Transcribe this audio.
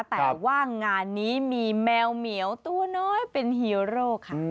แต่ว่างานนี้มีแมวเหมียวตัวน้อยเป็นฮีโร่ค่ะ